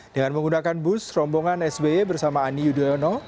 dengan menggunakan bus rombongan sby bersama ani yudhoyono